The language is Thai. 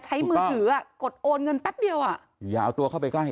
มือถืออ่ะกดโอนเงินแป๊บเดียวอ่ะอย่าเอาตัวเข้าไปใกล้